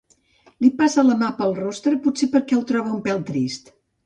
Li passa la mà pel rostre, potser perquè el troba un pèl trist.